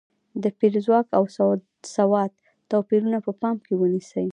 د پېر ځواک او سواد توپیرونه په پام کې ونیسي.